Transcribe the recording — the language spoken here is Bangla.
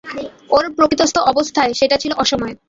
ওর প্রকৃতিস্থ অবস্থায় সেটা ছিল অসময়।